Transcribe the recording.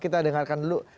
kita dengarkan dulu